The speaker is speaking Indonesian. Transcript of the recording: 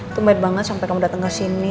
tumit banget sampai kamu datang kesini